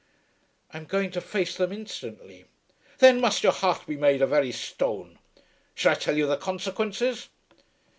"I am going to face them instantly." "Then must your heart be made of very stone. Shall I tell you the consequences?"